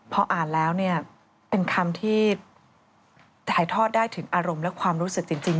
พออ่านแล้วเนี่ยเป็นคำที่ถ่ายทอดได้ถึงอารมณ์และความรู้สึกจริง